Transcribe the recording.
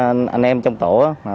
uỵng hả anh em saolaus t canh ạ con